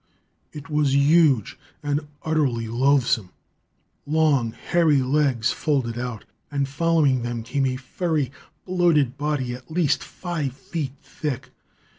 It was huge and utterly loathsome. Long, hairy legs folded out, and following them came a furry, bloated body at least five feet thick.